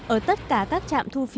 ở tất cả các trạm thu phí